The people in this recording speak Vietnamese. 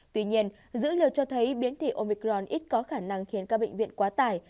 tuy nhiên dữ liệu cho thấy biến thị omicron ít có khả năng khiến các bệnh viện quá tải